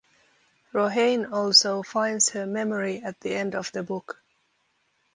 Rohain also finds her memory at the end of the book.